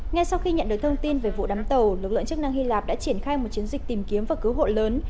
ngay sau khi nhận được thông tin về vụ đám tàu lực lượng chức năng hy lạp đã triển khai một chiến dịch tìm kiếm và cứu hộ lớn